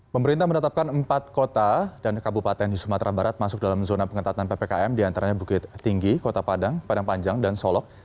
pemerintah menetapkan empat kota dan kabupaten di sumatera barat masuk dalam zona pengetatan ppkm diantaranya bukit tinggi kota padang padang panjang dan solok